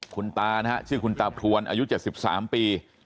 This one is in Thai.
คุณตานะฮะชื่อคุณตาภวรอายุเจ็ดสิบสามปี